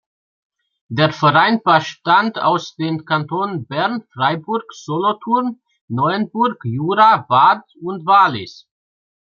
Der Verein bestand aus den Kantonen Bern, Freiburg, Solothurn, Neuenburg, Jura, Waadt und Wallis.